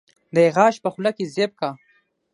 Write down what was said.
دا يې غاښ په خوله کې زېب کا